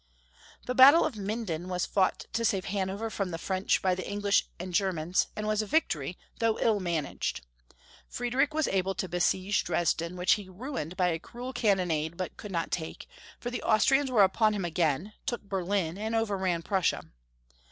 The battle of Minden was fought to save 408 Young Folki History of Germany. Hanover from the French by the English and Ger mans, and was a victory, though ill managed. Friedrich was able to besiege Dresden, which he ruined by a cruel cannonade but could not take, for the Austrians were upon him again, took Berlin, and overran Prussia.